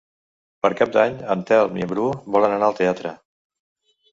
Per Cap d'Any en Telm i en Bru volen anar al teatre.